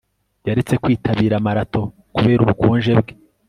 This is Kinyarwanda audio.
Yaretse kwitabira marato kubera ubukonje bwe